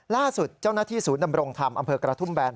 ล่าสุดเจ้าหน้าที่ศูนย์ดำรงธรรมอำเภอกระทุ่มแบน